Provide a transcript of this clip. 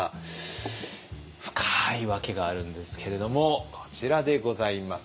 深い訳があるんですけれどもこちらでございます。